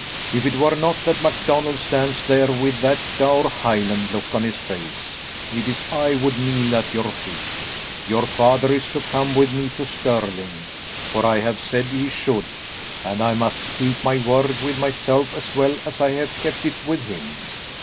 If it were not that MacDonald stands there with that dour Highland look on his face, it is I would kneel at your feet. Your father is to come with me to Stirling, for I have said he should, and I must keep my word with myself as well as I have kept it with him.